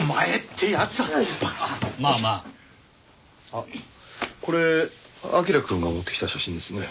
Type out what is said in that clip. あっこれ彬くんが持ってきた写真ですね。